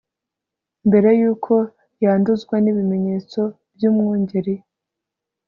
mbere yuko yanduzwa n'ibimenyetso by'umwungeri